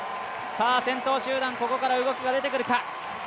先頭集団、ここから動きが出てくるか。